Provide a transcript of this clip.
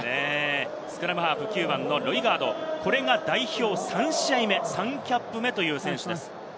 スクラムハーフ、９番のロイガード、これが代表３試合目、３キャップ目の選手です。